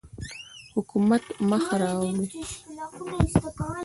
حکومت مخ را اړوي.